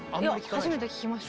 いや初めて聞きました。